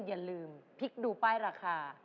อย่าลืมพลิกดูป้ายราคา